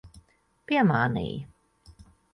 Piemānīji.